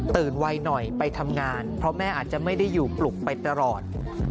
ไวหน่อยไปทำงานเพราะแม่อาจจะไม่ได้อยู่ปลุกไปตลอด